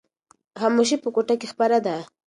خاموشي په کوټه کې خپره ده.